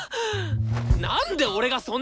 なんで俺がそんなこと！